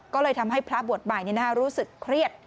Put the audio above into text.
ก็เลยทำให้พระบวชใหม่รู้สึกเครียด